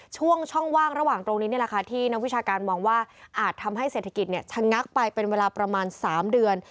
ช่วงช่องว่างระหว่างตรงนี้นี่แหละค่ะที่นักวิชาการมองว่าอาจทำให้เศรษฐกิจชะงักไปเป็นเวลาประมาณ๓เดือน